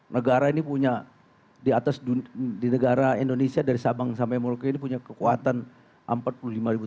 negara ini punya di atas di negara indonesia dari sabang sampai moroke ini punya kekuatan empat puluh lima ribu